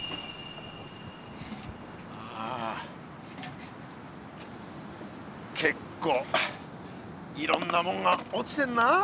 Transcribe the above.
ああ結構いろんなもんが落ちてんなあ。